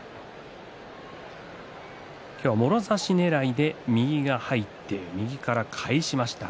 今日は、もろ差しねらいで右が入って右から返しました。